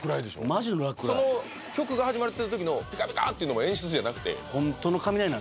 マジの落雷その曲が始まってる時のピカピカっていうのも演出じゃなくて？